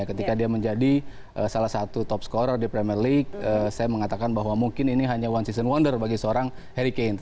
ketika dia menjadi salah satu top scorer di premier league saya mengatakan bahwa mungkin ini hanya one season wonder bagi seorang harry kane